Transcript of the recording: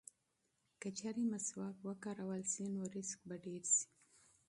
که چېرې مسواک وکارول شي نو رزق به ډېر شي.